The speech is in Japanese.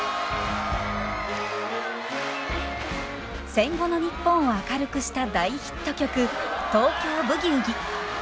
戦後の日本を明るくした大ヒット曲「東京ブギウギ」。